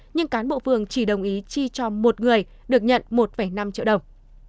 nhưng cán bộ phường chỉ đồng ý chi cho một người được nhận một năm triệu đồng